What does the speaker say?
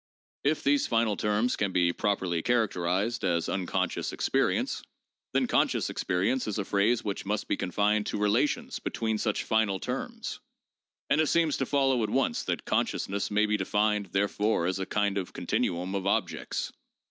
If these final terms can be properly characterized as unconscious experience, then conscious experience is a phrase which must be confined to relations between such final terms, and it seems to follow at once that 'consciousness may be denned, therefore, as a kind of continuum of objects.